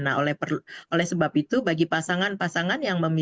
nah oleh sebab itu bagi pasangan pasangan yang memiliki